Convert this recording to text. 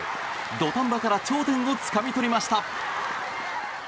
土壇場から頂点をつかみ取りました。